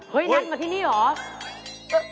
นัดมาที่นี่เหรอ